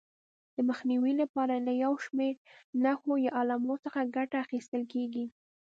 د مخنیوي لپاره له یو شمېر نښو یا علامو څخه ګټه اخیستل کېږي.